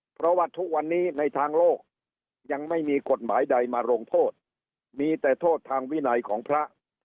เพราะว่าทุกวันนี้ในทางโลกยังไม่มีกฎหมายใดมาลงโทษมีแต่โทษทางวินัยของพระ